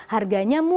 harganya enggak mahal